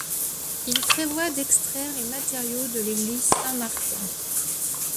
Ils prévoient d'extraire les matériaux de l'église Saint-Martin.